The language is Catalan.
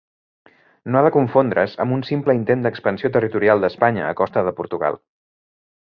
No ha de confondre's amb un simple intent d'expansió territorial d'Espanya a costa de Portugal.